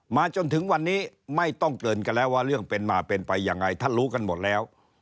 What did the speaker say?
จนถึงวันนี้ไม่ต้องเกริ่นกันแล้วว่าเรื่องเป็นมาเป็นไปยังไงท่านรู้กันหมดแล้ว